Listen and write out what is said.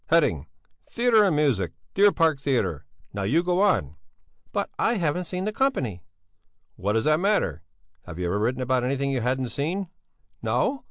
Heading: 'Theatre and Music. Deer Park Theatre.' Now, you go on!" "But I haven't seen the company." "What does that matter? Have you never written about anything you hadn't seen?" "No!